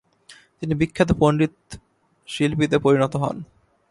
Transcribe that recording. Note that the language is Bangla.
তিনি বিখ্যাত পণ্ডিত শিল্পীতে পরিণত হন।